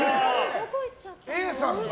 Ａさんが？